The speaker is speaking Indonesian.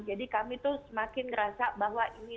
jadi kami tuh semakin ngerasa bahwa ini